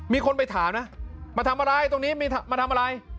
มีคนไปถามนะมาทำอะไรตรงนี้มาทำอะไร